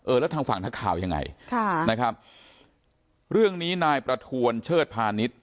แล้วทางฝั่งนักข่าวยังไงค่ะนะครับเรื่องนี้นายประทวนเชิดพาณิชย์